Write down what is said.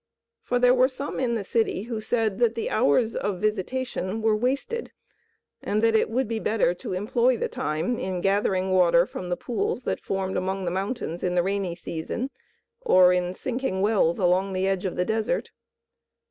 For there were some in the city who said that the hours of visitation were wasted, and that it would be better to employ the time in gathering water from the pools that formed among the mountains in the rainy season, or in sinking wells along the edge of the desert.